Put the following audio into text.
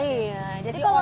iya jadi kalau